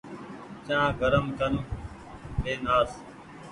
چآن گرم ڪرين لين آس